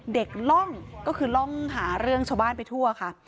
กล่องก็คือล่องหาเรื่องชาวบ้านไปทั่วค่ะ